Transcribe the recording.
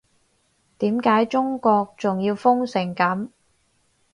點解中國仲要封成噉